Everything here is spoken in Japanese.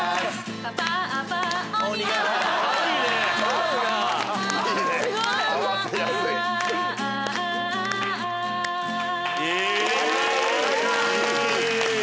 ありがとうございます！